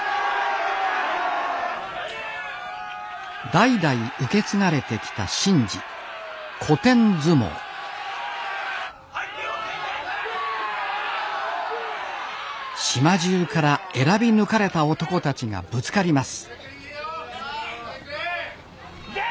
代々受け継がれてきた神事「古典相撲」島中から選び抜かれた男たちがぶつかります